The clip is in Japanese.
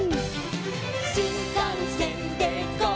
「しんかんせんでゴー！